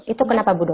itu kenapa budok